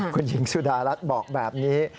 คุณหญิงสุดารัฐบอกแบบนี้